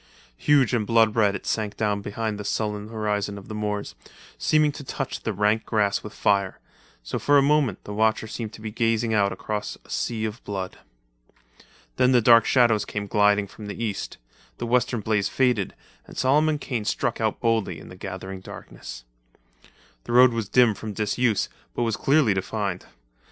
Huge and blood red it sank down behind the sullen horizon of the moors, seeming to touch the rank grass with fire; so for a moment the watcher seemed to be gazing out across a sea of blood. Then the dark shadows came gliding from the east, the western blaze faded, and Solomon Kane struck out, boldly in the gathering darkness. The road was dim from disuse but was clearly defined.